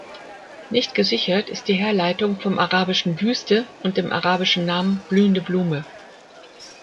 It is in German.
Nicht gesichert ist die Herleitung vom arabischen „Wüste“ und dem arabischen Namen „blühende Blume“.